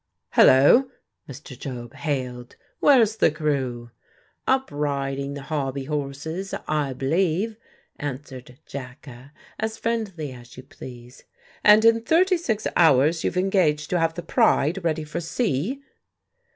"Hullo!" Mr. Job hailed. "Where's the crew?" "Up riding the hobby horses, I b'lieve," answered Jacka, as friendly as you please. "And in thirty six hours you've engaged to have the Pride ready for sea!"